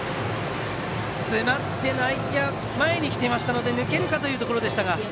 詰まって内野が前に来ていましたので抜けるかというところでした。